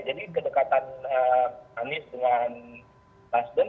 jadi kedekatan anies dengan nasdem